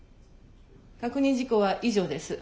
確認事項は以上です。